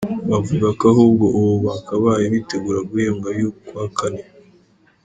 Bavuga ko ahubwo ubu bakabaye bitegura guhembwa ay’ukwa kane.